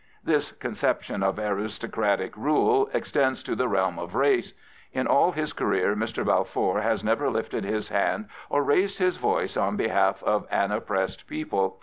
This conception of aristocratic rule extends to the realm of race. In all his career Mr. Balfour has never lifted his hand or raised his voice on behalf of an oppressed people.